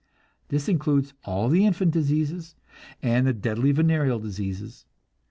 This includes all the infant diseases, and the deadly venereal diseases.